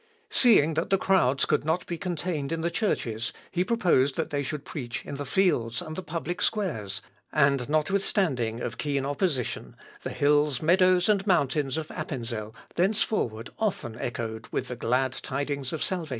Seeing that the crowds could not be contained in the churches, he proposed that they should preach in the fields and the public squares, and, notwithstanding of keen opposition, the hills, meadows, and mountains of Appenzel, thenceforward often echoed with the glad tidings of salvation.